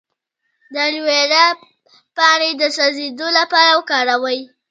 د الوویرا پاڼې د سوځیدو لپاره وکاروئ